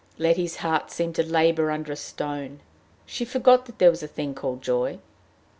Letty's heart seemed to labor under a stone. She forgot that there was a thing called joy.